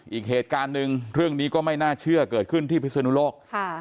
อีกเหตุการณ์หนึ่งเรื่องนี้ก็ไม่น่าเชื่อเกิดขึ้นที่พิศนุโลก